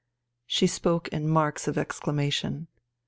She spoke in marks of exclamation.